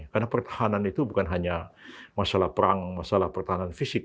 karena pertahanan itu bukan hanya masalah perang masalah pertahanan fisik